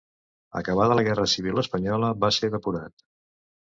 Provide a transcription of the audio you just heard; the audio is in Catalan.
Acabada la Guerra Civil espanyola va ser depurat.